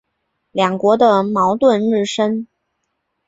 两国的矛盾日深。